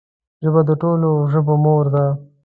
ژبه د ټولو ژبو مور ده